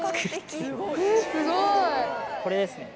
これですね。